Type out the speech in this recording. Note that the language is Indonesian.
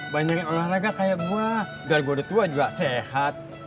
banyakin olahraga kayak gua biar gua udah tua juga sehat